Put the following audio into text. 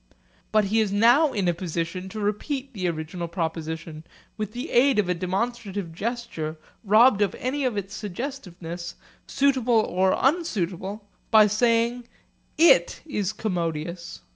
But he is now in a position to repeat the original proposition with the aid of a demonstrative gesture robbed of any suggestiveness, suitable or unsuitable, by saying, 'It is commodious.'